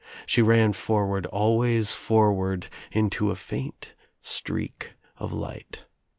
She ran forward, always forward into a faint streak of light.